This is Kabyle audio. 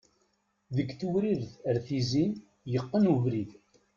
Deg tewrirt ar tizi, yeqqen ubrid.